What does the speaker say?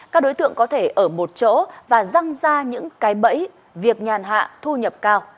các đối tượng có thể ở một chỗ và răng ra những cái bẫy việc nhàn hạ thu nhập cao